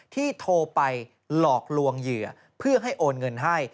โทรไปหลอกลวงเหยื่อเพื่อให้โอนเงินให้